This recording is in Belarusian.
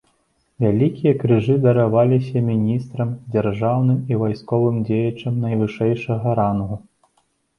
Вялікія крыжы дараваліся міністрам, дзяржаўным і вайсковым дзеячам найвышэйшага рангу.